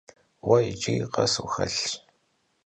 Vue yicıri khes vuxelh?